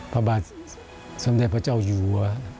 พระบาทสมเด็จพระเจ้าอยู่หัว